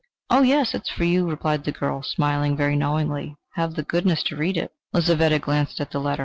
"Oh, yes, it is for you," replied the girl, smiling very knowingly. "Have the goodness to read it." Lizaveta glanced at the letter.